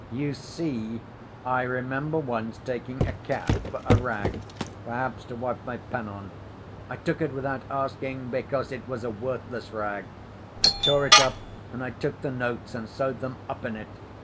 "You see, I remember once taking a cap for a rag, perhaps to wipe my pen on. I took it without asking, because it was a worthless rag. I tore it up, and I took the notes and sewed them up in it.